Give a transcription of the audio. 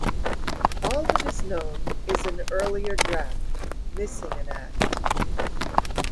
All that is known is an earlier draft, missing an act.